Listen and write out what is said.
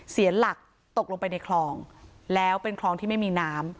เสียหลักตกลงไปในคลองแล้วเป็นคลองที่ไม่มีน้ำ